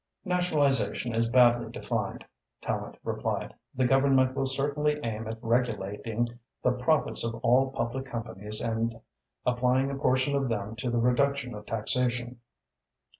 "Nationalisation is badly defined," Tallente replied. "The Government will certainly aim at regulating the profits of all public companies and applying a portion of them to the reduction of taxation."